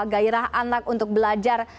gairah anak untuk belajar